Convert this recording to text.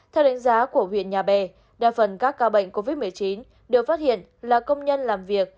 theo đánh giá của huyện nhà bè đa phần các ca bệnh covid một mươi chín đều phát hiện là công nhân làm việc